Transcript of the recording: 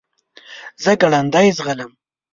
زه ګړندی ځغلم .